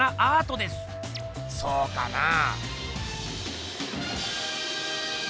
そうかなぁ。